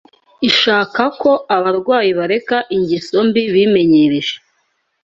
ishaka ko abarwayi bareka ingeso mbi bimenyereje